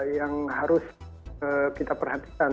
yang harus kita perhatikan